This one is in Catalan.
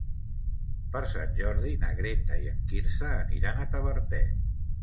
Per Sant Jordi na Greta i en Quirze aniran a Tavertet.